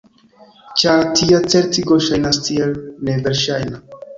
Ĉar tia certigo ŝajnas tiel neverŝajna.